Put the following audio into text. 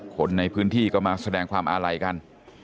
คนในพื้นที่ก็มาแสดงความอาลัยกัน